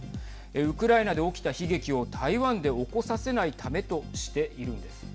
ウクライナで起きた悲劇を台湾で起こさせないためとしているんです。